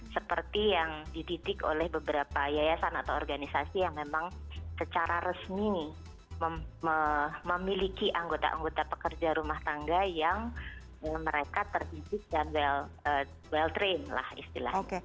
seperti yang dididik oleh beberapa yayasan atau organisasi yang memang secara resmi memiliki anggota anggota pekerja rumah tangga yang mereka terdidik dan well train lah istilahnya